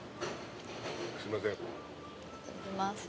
すいません。